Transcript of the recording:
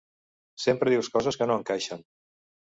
Sempre dius coses que no encaixen!